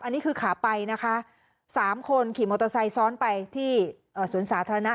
อันนี้คือขาไปนะคะสามคนขี่มอเตอร์ไซค์ซ้อนไปที่สวนสาธารณะ